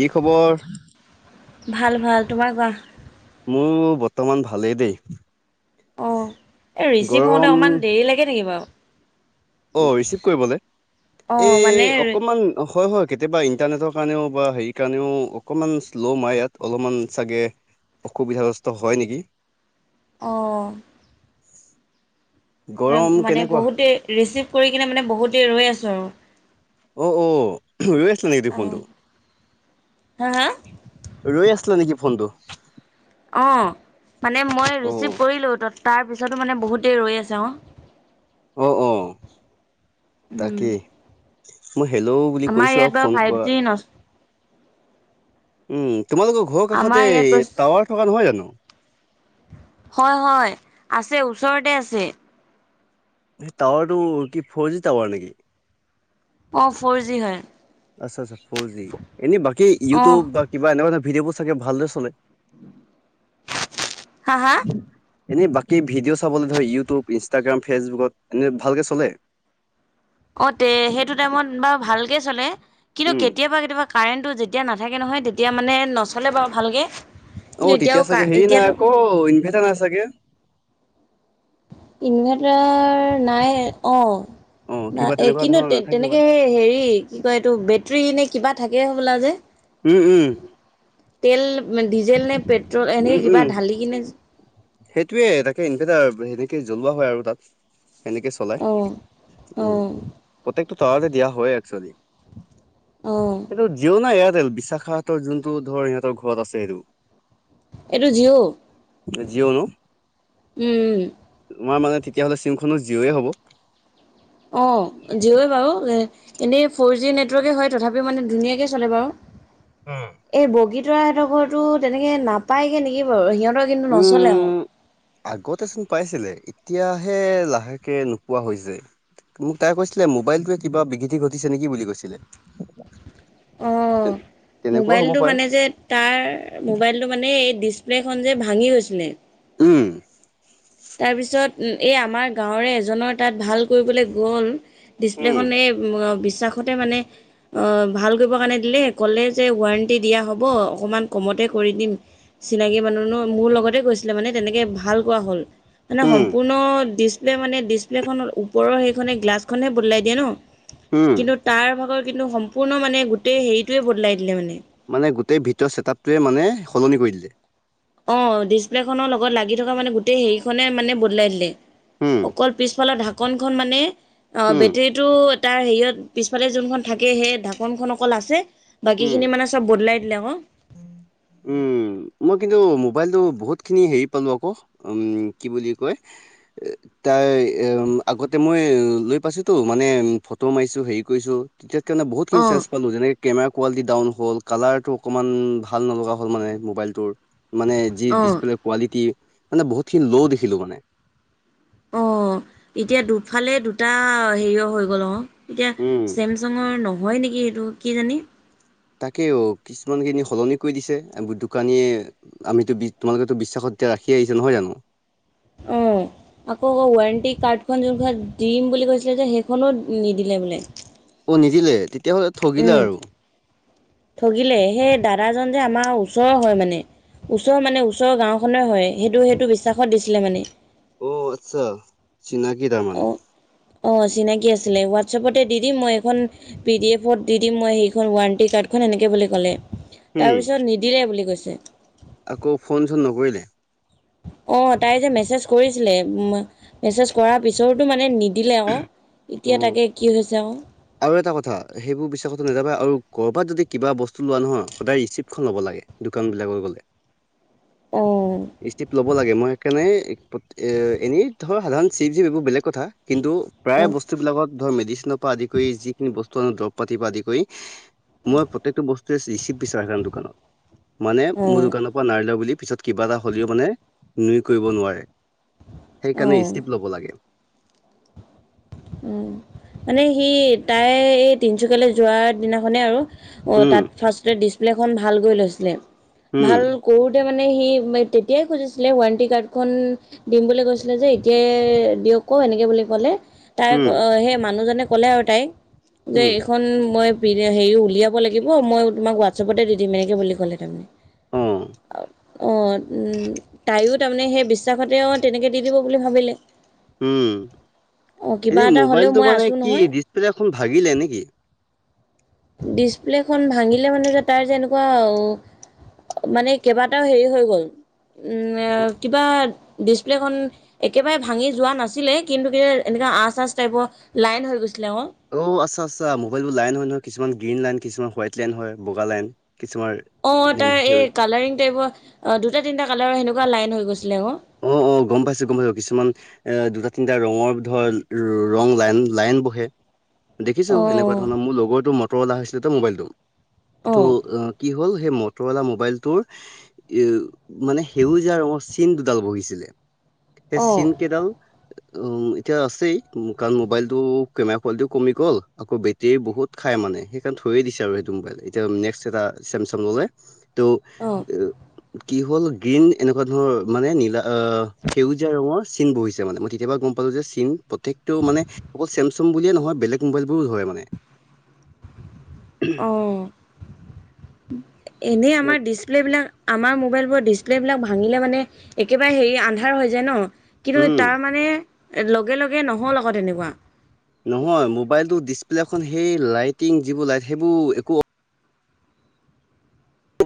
কি খবৰ? ভাল ভাল তোমাৰ কোৱা? মোৰ বৰ্তমান ভালেই দেই। অ এই ৰিচিভ হওঁতে গৰম অকমান দেৰি লাগে নেকি বাও। অ ৰিচিভ কৰিবলে? অঁ মানে এই অকণমান হয়- হয় কে কেতিয়াবা ইন্টাৰনেটৰ কাৰণেও বা হেৰি কাৰণেও অকমান শ্ল' মাৰে ইয়াত। অলপমান চাগে অসুবিধা [unintelligible] হয় নেকি? অঁ। গৰম মানে কেনেকুৱা? বহুতেই ৰিচিভ কৰি কিনে মানে বহুতেই ৰৈ আছো আৰু। অ অ [unintelligible] আছিল নেকি দি আৰু অঁ ফোনটো? হা হা ৰৈ আছিলা নেকি ফোনটো? অঁ মানে মই অ ৰিচিভ কৰিলোঁ তাত। তাৰ পিছতো মানে বহুতেই ৰৈ আছে অ। অহ অ তাকেই মই হেল্ল' বুলি আমাৰ কৈছোঁ ইয়াত আৰু বাৰু ফোন ফাইভ কৰা জি ন উম তোমালোকৰ ঘৰ আমাৰ কাষতে ইয়াত গৈ টাৱাৰ থকা নহয় জানো হয় হয় আছে ওচৰতে আছে টাৱাৰ টো কি ফৰ জি টাৱাৰ নেকি অ ফৰ জি হয় আচ্ছা -আচ্ছা ফৰ জি এনে বাকী অঁ ইউটিউব বা কিবা এনেকুৱা এটা ভিডিঅ'বোৰ চাগে ভালদৰে চলে হা হা এনেই বাকী ভিডিঅ' চাবলৈ ধৰি ইউটিউব ইনষ্টাগ্ৰাম ফেচবুকত এনে ভালকে চলে অ তে সেইটো টাইমত বাৰু ভালকে চলে কিন্তু উম, কেতিয়াবা- কেতিয়াবা কাৰেণ্টটো যেতিয়া নাথাকে নহয় তেতিয়া মানে নচলে বাৰু ভালকৈ অ তেতিয়া চাগে হেৰি নাই আকৌ ইনভেটাৰ নাই চাগে। ইনভাৰ্টাৰ নাই অ। অ' কিবা ন এ তেনেকুৱা কিন্তু ধৰণৰ তে নাথাকিব পাই। তেনেকে হেৰি কি কয় এইটো বেটৰী নে কিবা থাকেই হ'বলা যে। উম উম তেল ডিজেল নে পেট্ৰল এনে উম, কিবা উম। ঢালি কিনে সেইটোয়ে তাকে ইনভাৰটাৰ হেৰি জ্বলোৱা হয় আৰু তাত সেনেকে চলাই অ'। উম অ', প্ৰ তাতে দিয়া হয় একচলি অ', কিন্তু যিও নে এয়াৰটেল [unintelligible] বিশাখতৰ যোনটো ধৰ সিহঁতৰ ঘৰত আছে সটো [unintelligible] এইটো জিঅ [unintelligible] জিঅ'ন [unintelligible] উম উ তোমাৰ মানে তেতিয়াহ'লে চিমখনো জিঅ'য় হ'ব অ জিঅই বাৰু [unintelligible] এনেই ফ'ৰ জি নেটৱৰ্কে হয় তথাপি মানে ধুনীয়াকে চলে বাৰু এই বগীত [unintelligible] ৰা সহতৰ ঘৰতো তেনেকে নাপায়গে নেগি বাৰু সিহঁত [unintelligible] উম আগতেচোন পাইছিলে এতিয়াহে লাহেকে নোপোৱা হৈ হৈছে মোক তাই কৈছিলে মোবাইলটোৱে কিবা বিঘৃতি ঘটিছে নেকি বুলি কৈছিলে [unintelligible] অ তেনেকুৱা হ'ব মোবাইলটো পাৰে মানে যে তাৰ মোবাইলটো মানে এই ডিচ প্লেখন যে ভাঙি গৈছিলে উম তাৰপিছত এই আমাৰ গাঁৱৰে এজনৰ তাত ভাল কৰিবলৈ গ'ল উম, ডিছপ্লেখনে মানে ভাল কৰিব কাৰণে দিলে কলে যে ওৱাণ্টি দিয়া হ'ব অকণমান কমতে [unintelligible] কৰি দিম চিনাকি মানুহ ন মোৰ লগতে গৈছিলে মানে তেনেকে ভাল কোৱা হ'ল [unintelligible] মানে উম, সম্পূৰ্ণ ডিচপ্লে মানে ডিচপ্লেখনৰ ওপৰৰ সেইখনে গ্লাছখনহে বদলাই দিয়ে ন উম, [unintelligible] কিন্তু তাৰ ভাগৰ কিন্তু সম্পূৰ্ণ মানে গোটেই হেৰিটোয়ে বদলাই দিলে মানে [unintelligible] মানে গোটেই ভিতৰ চছেটআপটোৱে মানে সলনি কৰি দিলে [unintelligible] অ ডিচপ্লে খনৰ লগত লাগি থকা মানে গোটেই হেৰি খনে মানে বদলাই দিলে উম, [unintelligible] অকল পিছফালৰ ঢাকনখন মানে অ উম, বেটৰীটো তাৰ হেৰিয়ত পিছফালে যোনখন থাকে সেই ঢাকনখন অকল আছে বাকী উম, খিনি মানে চব বদলাই দিলে আকৌ উম মই কিন্তু মোবাইলতটো বহুতখিনি হেৰি পালো আকৌ উ কি বুলি কয় তাই এ আগতে মই লৈ পাইছো তো মানে ফটো মাৰিছো হেৰি কৰিছো তেতিয়া সকাৰণে অ বহুতখিনি চেছ পালো যেনে কেমেৰা কোৱালিটি ডাউন হল কেমেৰাটো [unintelligible] অকমান ভাল নলগা হ'ল মানে মোবাইলটোৰ মানে যি অ ডিচপ্লে কোৱালিটি [unintelligible] মানে বহুতখিন ল' দেখিলো মানে অ এতিয়া দুফালে দুটা হেৰিয় হৈ গ'ল অ এতিয়া উম চেমচাঙৰ নহয় নেকি এইটো কি জানি তাকেও কিছুমান খিনি সলনি কৰি দিছে আকৌ দোকানীয়ে আমিতো তোমালোকেতো বিশ্বাসত এতিয়া ৰাখি আহিছে নহয় জানো। আকৌ আকৌ ৱাৰেণ্টি কাৰ্ডখন যোনখন দিম বুলি কৈছিলে যে সেইখনো নিদিলে বোলে। অ নিদিলে তেতিয়াহ'লে ঠগিলে উম আৰু ঠগিলে সেই দাদাজন যে আমাৰ ওচৰৰ হয় মানে। ওচৰ মানে ওচৰৰ গাঁওখনে হয় সেইটো সেইটো বিশ্বাসত দিছিলে মানে। অ আচ্ছা চিনাকি তাৰ মানে অঁ চিনাকি আছিলে হোৱাটছআপতে দি দিম মই এখন পি ডি এফত দি দিম মই সেইখন ৱাৰেণ্টি কাৰ্ডখন সেনেকে বুলি ক'লে উম তাৰ পিছত নিদিলে বুলি কৈছে। আকৌ ফোন চোন নকৰিলে অ তাই যে মেছেজ কৰিছিলে মেছেজ কৰাৰ পিছততো মানে নি- দিলে আৰু এতিয়া অ তাকে কি হৈছে আৰু আৰু এটা কথা সেইবোৰ বিশ্বাসতো নাযাবা আৰু ক'বাত যদি কিবা বস্তু লোৱা নহয় সদায় ৰিচিপ্টখন ল'ব লাগে দোকান বিলাক অ', ষ্টিক লব লাগে মই সেইকাৰণে এ এনেই ধৰ সাধাৰণ চিপ জিপ এইবোৰ বেলেগ কথা কিন্তু প্ৰায় অ', বস্তুবিলাকত ধৰ মেডিচিনৰ পৰা আদি কৰি যিখিনি বস্তু আনো দৰব পাতি পৰা আদি কৰি মই প্ৰতিটো বস্তু ৰে ৰিচিপ বিচাৰ দোকানত মানে মোৰ দোকানৰ পৰা নাই লাৱা বুলি পিছত কিবা এটা হ'লেও মানে নুই কৰিব নোৱাৰে অ', সেইকাৰণে অ'। ষ্টিপ ল'ব লাগে মানে সি তাই এই তিনিচুকীয়ালৈ যোৱাৰ দিনাখনে আৰু অ উম তাত ফাৰ্ষ্ট ডিছপ্লেখন ভাল কৰি লৈছিলে উম ভাল কৰোতে মানে সি তেতিয়াই খুজিছিলে ৱাৰেণ্টি কাৰ্ড খন দিম বুলি কৈছিল যে এতিয়াই দিয়ক আকৌ এনেকৈ বুলি ক'লে তাই উম সেই মানুহজনে ক'লে আৰু তাইক যে উম এইখন মই পিনে হেৰি উলিয়াব লাগিব মই তোমাক হোৱাটছআপতে দি দিম এনেকৈ বুলি ক'লে তাৰমানে। অ। অ তাইয়ো তাৰমানে সেই বিশ্বাসতে অ তেনেকে দি দিব বুলি ভাবিলে। উম। অ' কিবা এনে এটা হ'লেও মোবাইলটো মই মানে আছোঁ কি নহয় ডিছপ্লে এখন ভাগিলে নেকি? ডিচপ্লেখন ভাঙিলে মানে যে তাৰ যেনেকুৱা মানে কেইবাটাও হেৰি হৈ গ'ল। উ কিবা ডিচপ্লেখন একেবাৰে ভাঙি যোৱা নাছিলে কিন্তু এ আচ আচ টাইপৰ লাইন হৈ গৈছে। অ আচ্ছা আচ্ছা মোইলবোৰ লাইন হয় নহয় কিছুমান গ্ৰীণ লাইন কিছুমান হোৱাইট লাইন হয় বগা লাইন। কিছুমাৰ অ তাৰ এই কালাৰিং টাইপৰ অ দুটা তিনটা কালাৰ সেনেকুৱা লাইন হৈ গৈছিলে আকৌ অ অ গম পাইছো গম পাইছো কিছুমান এ দুটা তিনিটা ৰঙৰ ধৰ ৰং লাইন লাইন বহে দেখিছো এনেকুৱা অঁ ধৰণৰ মোৰ লগৰটো মটৰলা হৈছিলে ত মোবাইলটো অঁ ত' কি হল সে মটৰলা ম'বাইল টোৰ মানে সেউজীয়া ৰঙৰ চিন ডাল বহিছিলে সেই অঁ চিন কেইডাল উ এতিয়া আছেই কাৰণ মোবাইলটো কেমেৰা কোৱালিটিও কমি গ'ল আক বেটেৰী বহুত খাই মানে মানে এতিয়াও থৈয়ে দিছে আৰু সেইটো মোবাইল এতিয়া নেক্স এটা চেমচং ললে। ত' অঁ কি হ'ল গ্ৰীণ এনেকুৱা ধৰণৰ মানে নীলা অ সেউজীয়া ৰঙৰ চিন বহিছে মানে মই তেতিয়াবা গম পালো যে চিন প্ৰত্যেকটো মানে অকল চেমচাং বুলিয়ে নহয় বেলেগ মোবাইলবোৰো ধৰে মানে অঁ এনেই এতিয়া- আমাৰ ডিচপ্লে বিলাক আমাৰ মোবাইলবোৰৰ ডিচপ্লে বিলাক ভাঙিলে মানে একেবাৰে হেৰি আন্ধাৰ হৈ যায় ন কিন্তু উম তাৰ মানে লগে লগে নহ'ল অ'ক তেনেকুৱা নহয় মোবাইলটোৰ ডিছপ্লে এখন সেই লাইটিং যিবোৰ লাইট সেইবোৰ একো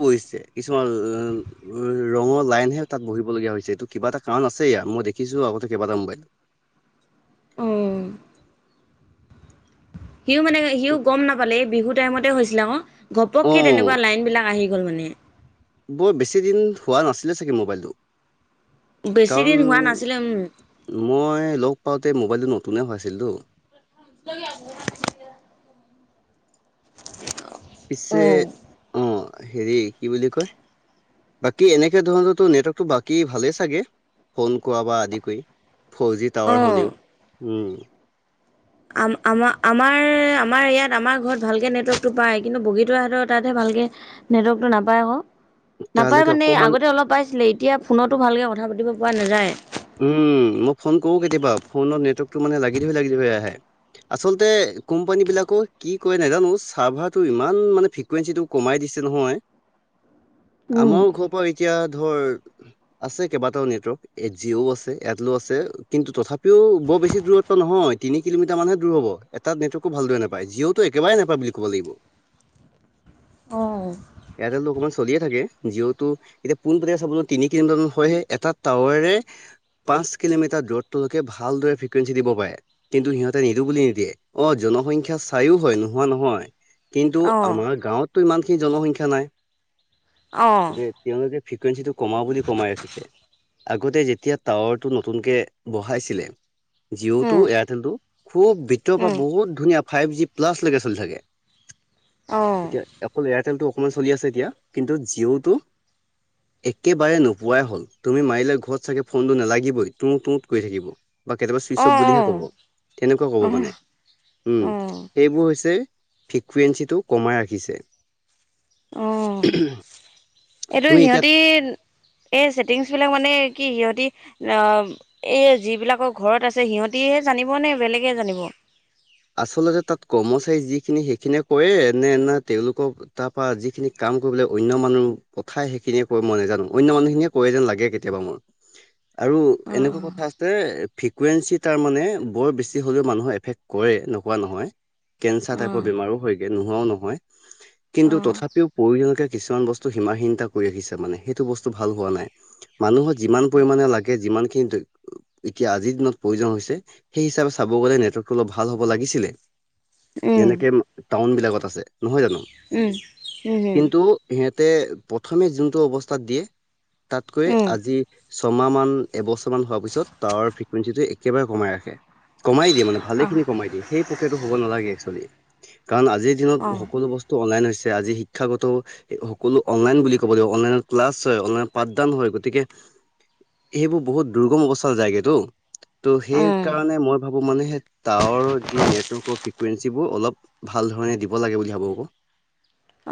বাহিছে কিছুমান উম' ৰঙৰ লাইনহে তা'ত বহিব লগীয়া হৈছে ত' এইটো কিবা এটা কাৰণ আছে। এতিয়া মই দেখিছো আগতে কেইবা টাও মোবাইল। অঁ। সিও মানে, সিও মানে গম নাপালে এই বিহু টাইমতে হৈছিলে আকৌ অ ঘপককৈ তেনেকুৱা লাইন বিলাক আহি - গ'ল মানে। বৰ বেছিদিন হোৱা নাছিলে চাগে মোবাইলটো। বেছি কাৰণ দিন হোৱা নাছিলে মই লগ পাওঁ- তে মোবাইলটো নতুনে হৈ আছিল টো। [unintelligible] [unintelligible] পিছে উম অঁ হেৰি কি বুলি কয়। বাকী এনেকে তোমালোকৰ নেটৱৰ্কতটো বাকী ভালেই চাগে ফোন কোৱা বা আদি কৰি। ফৰ জি অ অ টাৱাৰ হ'লেও উমঁ। আমাৰ আমাৰ ইয়াত আমাৰ ঘৰত ভালকে নেটৱৰ্কটো পায় কিন্তু বগীতৰ হেতৰ তা'ত হে- ভালকে নেটৱৰ্কটো নাপায় আকৌ। নাপায় তালৈকে মানে অকমান আগতে অলপ পাইছিলে এতিয়া ফোনতো ভালকে কথা পাতিব পৰা নাযায়। উম, মই ফোন কৰোঁ কেতিয়াবা ফোনত নেটৱৰ্কটো মানে লাগি ধৰি লাগি ধৰি আহে। আচলতে কোম্পানী বিলাকো কি কয় নাজানো চাৰ্ভাৰটো ইমান মানে ফ্ৰিকুৱেঞ্চি টো কমাই - দিছে নহয়। উম আমাৰ ঘৰৰ পৰা এতিয়া ধৰ আছে কেইবাটাও নেটৱৰ্ক- জিঅ'ও আছে, এয়াৰটেলও আছে কিন্তু তথাপিও বৰ বেছি দূৰত্ব নহয় তিনি কিলোমিটাৰ মানহে দূৰ হ'ব। এটা নেটৱৰ্ককো ভালদৰে নাপায় জিঅ'তো একেবাৰে নাপায় বুলি ক'ব লাগিব। অহ। এয়াৰটেলটো অকণমান চলিয়ে থাকে জিঅ' টো এতিয়া পোনপটীয়া চাবলৈ তিনি কিলমিটাৰমান হয় হে এটা টাৱাৰে- পাঁচ কিলোমিটাৰ দূৰত্বলৈোকে ভালদৰে ফ্ৰিকুৱেঞ্চি দিব পাৰে কিন্তু সিহঁতে নিদিও বুলি নিদিয়ে। অঁ জন- সংখ্যা চায়ো হয় নোহোৱা নহয় কিন্তু অ আমাৰ গাঁৱতটো ইমানখিনি জনসংখ্যা নাই। অ তেওঁলোকে- ফ্ৰিকুৱেঞ্চিটো কমাও বুলি কমাই ৰাখিছে। আগতে যেতিয়া টাৱাৰ টো নতুনকে বহাইছিলে জিঅ' টো, উম এয়াৰটেল টো খুব ভিতৰৰ পৰা উম বহুত ধুনীয়া ফাইভ জি প্লাছ লৈকে চলি থাকে। অ এতিয়া অকল এয়াৰটেল টো- অকণমান চলি আছে এতিয়া কিন্তু জিঅ'টো একেবাৰে নোপোৱাই হ'ল। তুমি মাৰিলে ঘৰত চাগে ফোনটো নালাগিবই তুঁত তুঁত কৰি থাকিব বা কেতিয়াবা চুইচ অ অফ অ বুলিহে কব তেনেকুৱা কব মানে। উম' অ সেইবোৰ হৈছে ফ্ৰিকুৱেঞ্চিটো কমাই ৰাখিছে অ এইটো তুমি এতিয়া সিহঁতি এচি টিং বিলাক মানে কি সিহঁতি এই যিবিলাকৰ ঘৰত আছে সিহঁতি হে জানিব নে বেলেগে জানিব? আচলতে তা'ত কৰ্মচাৰী যিখিনি সেইখিনিয়ে কৰে নে' নে' তেওঁলোকৰ তাৰপৰা যিখিনি কাম কৰিব অন্য মানুহ পথাই সেইখিনিয়ে কই, মই নাজানো অন্য মানুহখিনিয়ে কয় যেন লাগে কেতিয়াবা মোৰ আৰু অ এনেকুৱা কথা আছে ফ্ৰিকুৱেঞ্চি তাৰ মানে বৰ বেছি হ'লেও মানুহৰ এফেক্ট- কৰে নোকোৱা নহয়, কেনঞ্চাৰ অ টাইপৰ বেমাৰো হয় নোহোৱাও নহয় অ অ কিন্তু তথাপিও পৰিয়ালকে কিছুমান বস্তু সীমাৰ চিন্তা কৰি আহিছে মানে সেইটো বস্তু ভাল হোৱা নাই মানুহৰ যিমান পৰিমাণে লাগে যিমান খিনি এতিয়া আজিৰ দিনত প্ৰয়োজন হৈছে সেই হিচাপে চাব ক'ব গ'লে নেটৱৰ্ক তো অলপ ভাল হ'ব লাগিছিলে। উম যেনেকে টাউন বিলাকত আছে নহয় জানো উমঁ হম হম তা'তে প্ৰথমে যোনটো অৱস্থাত দিয়ে তা'তকৈ হম উম আজি ছমাহ মান, এবছৰমান হোৱাৰ পিছত টাৱাৰ ফ্ৰিকুৱেঞ্চিটো একেবাৰে কমাই ৰাখে কমাই দিয়ে মানে ভালে খিনি কমাই দিয়ে সেই প্ৰক্ৰিয়া টো হ'ব নালাগে এক্সচলি। কাৰণ আজিৰ দিনত অ অ সকলো বস্তু অনলাইন হৈছে যি শিক্ষাগত সকলো অনলাইন বুলি ক'ব লাগিব অনলাইন ক্লাছ হয়, অনলাইন পাঠদান হয়, গতিকে সেইবোৰ বহুত দুৰ্গম অৱস্থাৰ জায়গেতটো ত' সেই উম কাৰণে মই ভাবো মানে হে। টাৱাৰৰ যি নেটৱৰ্কৰ ফ্ৰিকুৱেঞ্চিবোৰ অলপ ভাল ধৰণে দিব লাগে বুলি ভাবো আকৌ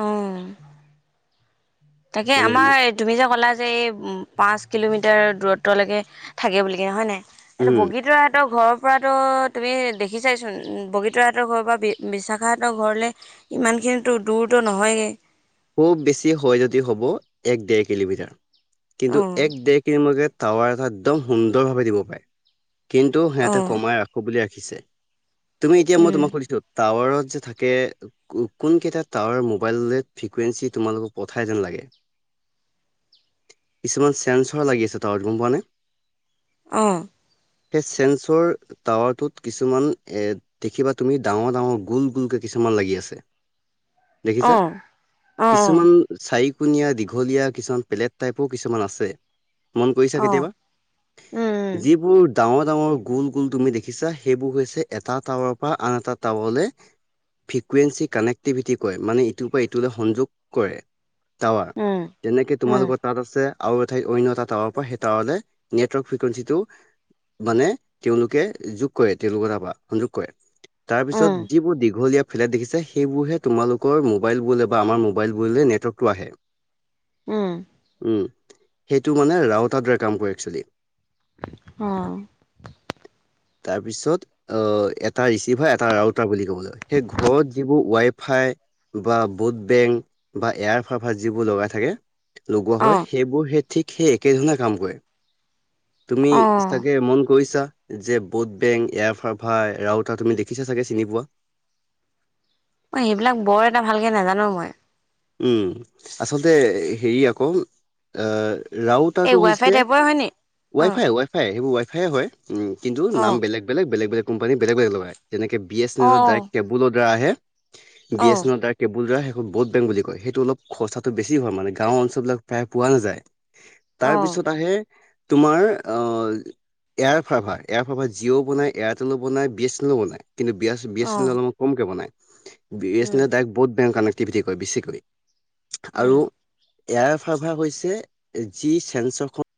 অ। [unintelligible] তাকে মানে মই আমাৰ তুমি যে ক'লা যে এই উম পাঁচ। কিলোমিটাৰ দূৰত্বলৈকে থাকে বুলি কিনে হয় নাই এইটো উম বগীতৰাহঁতৰ ঘৰৰ পৰাতো তুমি দেখি চাইচোন বগীতৰা হঁতৰ ঘৰ বি বিশ্বাখাহঁতৰ ঘৰলৈ ইমান কিন্তু দূৰত ত নহয গে খুব বেছি হয় যদি হ'ব এক ডেৰ কিলোমিটাৰ কিন্তু অ', এক ডেৰ কিলোমিটাত টাৱাৰ এটা একদম সুন্দৰভাৱে দিব পাৰে কিন্তু সিহঁতে অ', কমাই ৰাখোঁ বুলি ৰাখিছে তুমি এতিয়া মই উম, তোমাক সুধিছোঁ টাৱাৰত যে থাকে কোন কেইটা টাৱাৰ মোবাইল ফ্ৰিকুৱেঞ্চি তোমালোকক পঠাই যেন লাগে কিছুমান চেন্সৰ লাগি আছে তাৱাত গম পোৱা নে অ সেই চেন্সৰ টাৱাৰটোত কিছুমান এ দেখিবা তুমি ডাঙৰ ডাঙৰ গুল গুলকে কি ছুমান লাগি আছে দেখিছা? অ', অ', কিছুমান চাৰিকূণীয়া দীঘলীয়া কিছুমান পেলেট টাইপৰ কিছুমান আছে। মন কৰিছা অ', কেতিয়াবা উম, যিবোৰ ডাঙৰ ডাঙৰ গোল গোল তুমি দেখিছা সেইবোৰ হৈছে এটা টাৱৰৰ পৰা আন এটা টাৱৰলে ফ্ৰিকুৱেঞ্চি কানেক্টিভিটি কয় মানে ইটোৰ পৰা ই তোলে সংযোগ কৰে টাৱাৰ উম, যেনেকে উম, তোমালোকৰ তাত আছে আৰু এঠাইত অন্য এটা টাৱৰ পৰা সেই টাৱাৰলে নেটৱৰ্ক ফ্ৰিকুৱেঞ্চি টো। মানে তেওঁলোকে যোগ কৰে তেওঁলোকৰ তাপা সংযোগ কৰে। তাৰ পিছত উম, যিবোৰ দীঘলীয়া ফ্লেট দেখিছে সেইবোৰ হে তোমালোকৰ মোবাইল বোৱলে। বা আমাৰ মোবাইল বোৱলে নেটৱৰ্কটো আহে। উম। উম, সেইটো মানে ৰাওতাৰ দৰে কাম কৰে একচুৱেলি। অ। তাৰপিছত অ এটা ৰিচিভাৰ এটা ৰাউটাৰ বুলি। কবলৈ সে ঘৰত যিবোৰ উৱাইফাই বা। বোট বেংক বা এয়াৰ ফাৰফাৰ যিবোৰ লগাই থাকে লগোৱা হয় অ', সেইবোৰ সেই। ঠিক সেই একে ধৰণে কাম কৰে তুমি অ', চাগে মন কৰিছা। যে বট বেংক এয়াফাৰফাৰ ৰাউতা তুমি দেখিছা চাগে চিনি পোৱা। অ এইবিলাক বৰ এটা ভালকে নাজানো মই। উম আচলতে সেৰি আকৌ আ। এই ৰাওততটো ৱাই ফাই হৈছে। টাইপৰে হয়নি? অ', ৱাইফাই ৱাইফাই সেইবোৰ ৱাইফাইে হয় উম কিন্তু অ', নাম বেলেগ বেলেগ বেলেগ বেলেগ। কোম্পানী বেলেগ বলেগ বেলেগ যেনেকে বি এ ছেনেলত ডৰেক অ', কেবুলৰ দ্বাৰ আহে। বি এছ অ', ছেনেলৰ তাৰ কেবুল দা সেখন বহত বেংক বুলি কয়। সেইটো অলপ খৰচাটো বেছি হয় মানে গাঁওৰ অঞ্চলাক প্ৰায় পোৱা নাযায়। তাৰ অ', পিছত আহে তোমাৰ অ। এয়াৰ ফাৰভাৰ এয়াৰ ফাৰভাৰ জিঅ'ও বনায় এয়াৰটেলো বনায় বি এ ছেনেলো বনায়। কিন্তু বিয়াছ বিএছেল অ', অলপ মান কমকে বনায়। বি এছ নে উম, ডাইক বহুতেং কানেকটিভিটি কৰে বেছিকৈ। আৰু উম। এয়াৰফাৰভাৰ হৈছে যি চেঞ্চৰখন।